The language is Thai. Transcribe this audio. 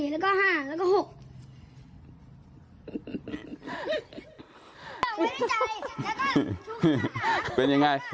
แล้วก็ชูขึ้นมาให้๓